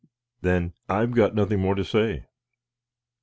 "Then I've nothing more to say."